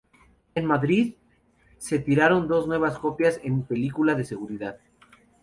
En Madrid se tiraron dos nuevas copias en película de seguridad.